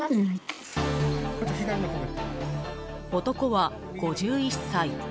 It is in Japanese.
男は、５１歳。